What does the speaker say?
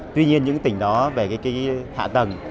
tuy nhiên những tỉnh đó về hạ tầng